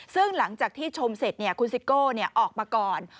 ซึ่งหลังจากที่ชมเสร็จคุณซิโก้ออกมาก่อน